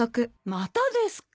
またですか。